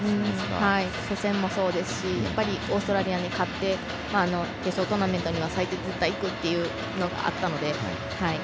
初戦もそうですしオーストラリアに勝って決勝トーナメントには絶対いくというのがあったので。